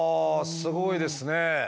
すごいですね。